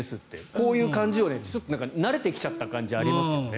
こういう感じよねって慣れてきちゃった感じがありますよね。